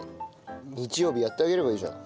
日曜日やってあげればいいじゃん。